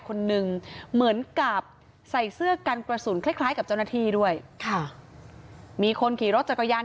คนนึงเหมือนกับใส่เสื้อกันกระสุนคล้ายคล้ายกับเจ้าหน้าที่ด้วยค่ะมีคนขี่รถจักรยาน